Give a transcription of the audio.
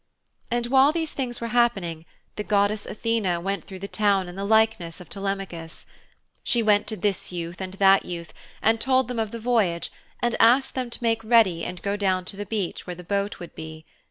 And while these things were happening the goddess Athene went through the town in the likeness of Telemachus. She went to this youth and that youth and told them of the voyage and asked them to make ready and go down to the beach where the boat would be.